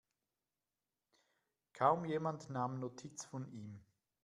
Kaum jemand nahm Notiz von ihm.